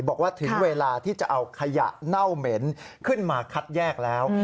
บอกว่าถึงเวลาที่จะเอาขยะเน่าเหม็นขึ้นมาคัดแยกแล้ว